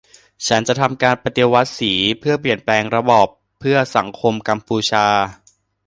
ฉันจะทำการปฏิวัติสีเพื่อเปลี่ยนแปลงระบอบเพื่อสังคมกัมพูชา